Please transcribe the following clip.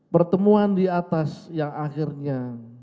pertemuan di atas yang akhirnya